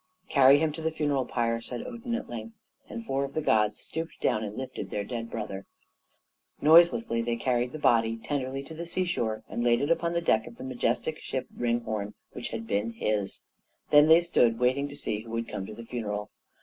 "Carry him to the funeral pyre!" said Odin, at length; and four of the gods stooped down and lifted their dead brother. Noiselessly they carried the body tenderly to the seashore and laid it upon the deck of the majestic ship, Ringhorn, which had been his. Then they stood waiting to see who would come to the funeral.